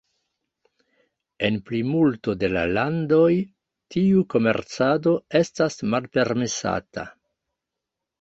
En plimulto de la landoj tiu komercado estas malpermesata.